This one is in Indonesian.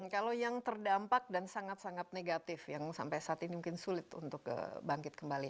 kalau yang terdampak dan sangat sangat negatif yang sampai saat ini mungkin sulit untuk bangkit kembali